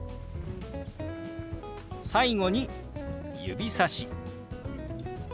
最後に指さし。